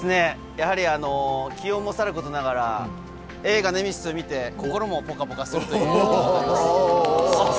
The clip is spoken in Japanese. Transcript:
やはり気温もさることながら、映画、ネメシスを見て、心もぽかぽかするという。